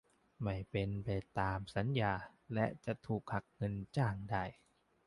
ไม่เป็นตามสัญญาและจะถูกหักเงินจ้างได้